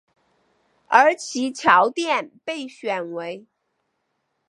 而其桥殿被选为。